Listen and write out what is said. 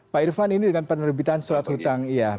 pak irfan ini dengan penerbitan surat hutang